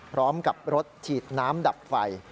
พร้อมกับรถฉีดน้ำดับไฟ